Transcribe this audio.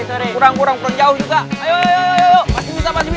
ternyata aldino itu sesuka ini sama michelle